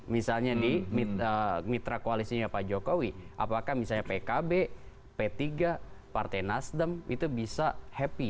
misalnya di mitra koalisinya pak jokowi apakah misalnya pkb p tiga partai nasdem itu bisa happy